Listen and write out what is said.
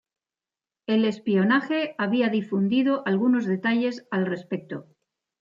El espionaje había difundido algunos detalles al respecto.